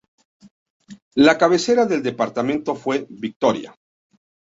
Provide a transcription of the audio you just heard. La cabecera del departamento fue Victoria.